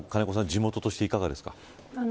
地元としていかがですか。